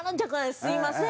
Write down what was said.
「すみません」。